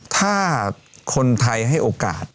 ถ้าคนไทยให้โอกาส